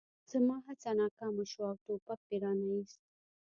زما هڅه ناکامه شوه او ټوپک مې را نه ایست